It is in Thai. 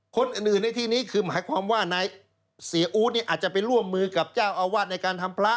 คนอื่นในที่นี้คือหมายความว่านายเสียอู๊ดเนี่ยอาจจะไปร่วมมือกับเจ้าอาวาสในการทำพระ